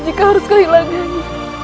jika harus kehilangannya